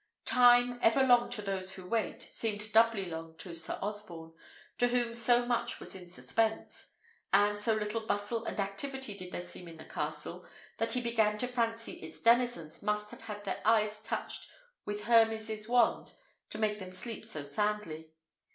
Time, ever long to those who wait, seemed doubly long to Sir Osborne, to whom so much was in suspense; and so little bustle and activity did there seem in the castle, that he began to fancy its denizens must have had their eyes touched with Hermes' wand to make them sleep so soundly.